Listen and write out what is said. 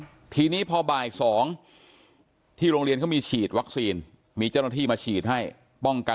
อืมทีนี้พอบ่ายสองที่โรงเรียนเขามีฉีดวัคซีนมีเจ้าหน้าที่มาฉีดให้ป้องกัน